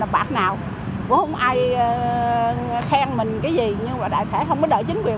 là bạn nào cũng không ai khen mình cái gì nhưng mà đại thể không đợi chính quyền